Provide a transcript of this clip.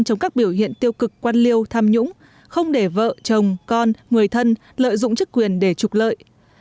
trong các biểu hiện tiêu cực quan liêu tham nhũng không để vợ chồng con người thân lợi dụng chức quyền để trục lợi